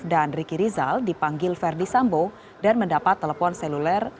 dan ricky rizal dipanggil ferdisambo dan mendapat telepon seluler